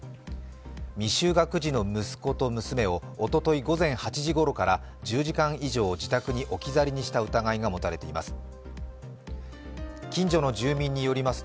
未就学児の息子と娘を、おととい午前８時ごろから１０時間以上、自宅に置き去りにした疑いが持たれています。